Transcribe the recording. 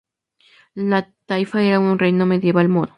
La taifa era un reino medieval moro.